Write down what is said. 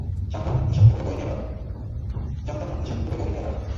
জানতাম না, এসব কিভাবে বয়ে নিয়ে বেড়াবো।